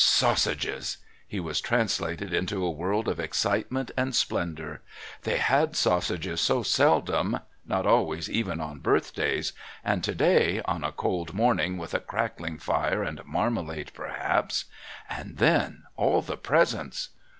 Sausages! He was translated into a world of excitement and splendour. They had sausages so seldom, not always even on birthdays, and to day, on a cold morning, with a crackling fire and marmalade, perhaps and then all the presents.